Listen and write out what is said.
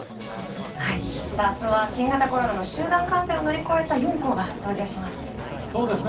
あすは新型コロナの集団感染を乗り越えた４校が登場します。